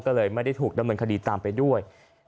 ก็เลยไม่ได้ถูกดำเนินคดีตามไปด้วย